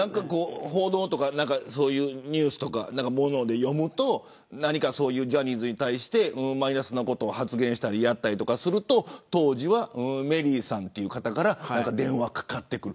報道やニュースとかそういうので読むとジャニーズに対してマイナスなことを発言したりやったりとかすると当時はメリーさんという方から電話がかかってくる。